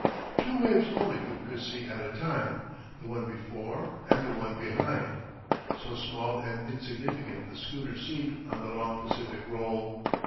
Two waves only could Chris see at a time—the one before and the one behind. So small and insignificant the schooner seemed on the long Pacific roll!